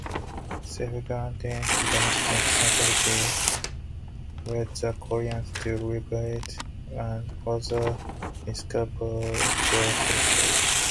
Safeguarding domestic security led the Koreans to rebuild and further discover their culture.